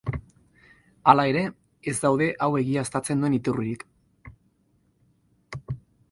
Hala ere, ez daude hau egiaztatzen duen iturririk.